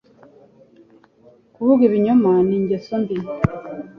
kuvuga ibinyoma ni ingeso mbi